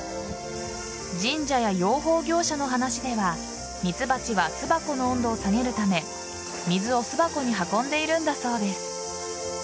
神社や養蜂業者の話ではミツバチは巣箱の温度を下げるため水を巣箱に運んでいるんだそうです。